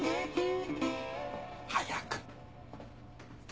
早く！